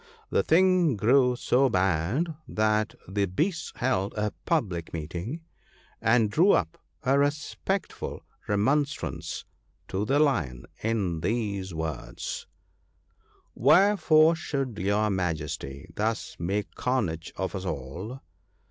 The thing grew so bad that the beasts held a public meeting, and drew up a respectful remonstrance to the Lion in these words :* Wherefore should your Majesty thus make carnage of us all